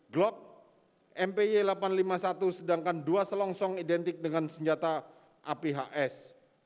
glock mpy delapan ratus lima puluh satu sedangkan dua selongsong identik dengan senjata aphs